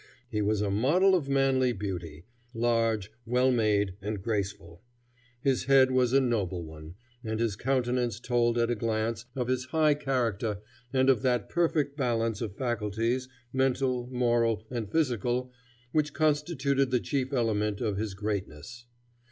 He was a model of manly beauty; large, well made, and graceful. His head was a noble one, and his countenance told, at a glance, of his high character and of that perfect balance of faculties, mental, moral, and physical, which constituted the chief element of his greatness.